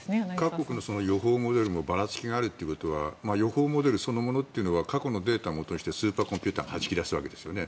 各国の予報モデルにばらつきがあるということは予報モデルそのものというのは過去のデータをもとにしてスーパーコンピューターがはじき出すわけですね。